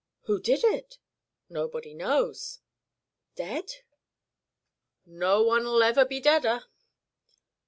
"Who did it?" "Nobody knows." "Dead?" "No one'll ever be deader."